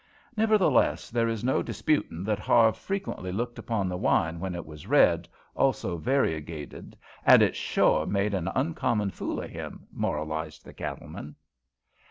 "Nevertheless, there is no disputin' that Harve frequently looked upon the wine when it was red, also variegated, and it shore made an oncommon fool of him," moralized the cattleman.